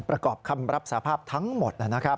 ประกอบคำรับสาภาพทั้งหมดนะครับ